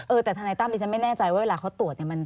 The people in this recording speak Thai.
เออแต่ธนายตั้นดิฉันไม่แน่ใจว่าเวลาเขาตรวจ